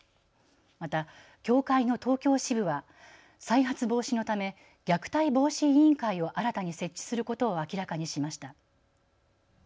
また協会の東京支部は再発防止のため虐待防止委員会を新たに設置することを明らかにしました。